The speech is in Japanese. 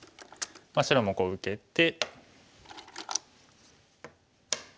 白もこう受けて。